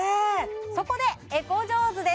そこでエコジョーズです！